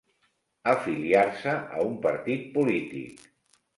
Afiliar-se a un partit polític.